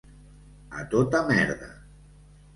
A tota merda.